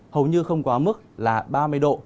hầu như không quá mức là ba mươi độ